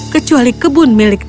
kecuali kebun milik tiara